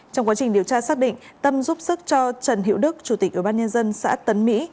trong quá trình điều tra xác định tâm giúp sức cho trần hiệu đức chủ tịch ubnd xã tấn mỹ